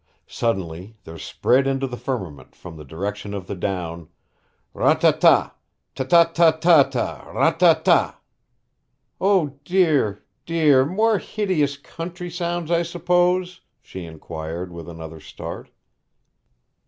Suddenly there spread into the firmament, from the direction of the down: 'Ra, ta, ta! Ta ta ta ta ta! Ra, ta, ta!' 'O dear, dear! more hideous country sounds, I suppose?' she inquired, with another start.